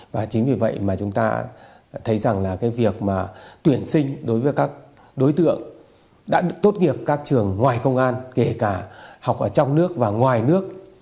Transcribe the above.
và chính vì vậy mà chúng ta thấy rằng việc tuyển sinh đối với các đối tượng đã tốt nghiệp các trường ngoài công an kể cả học ở trong nước và ngoài nước